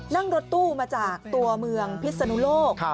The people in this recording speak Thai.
นั่งรถตู้มาจากตัวเมืองพิศนุโลก